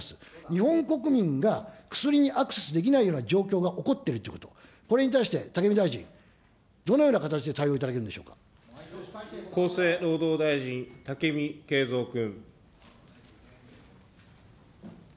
日本国民が薬にアクセスできない状況が起こっているということ、これに対して、武見大臣、どのような形で対応いただけるんでしょ厚生労働大臣、武見敬三君。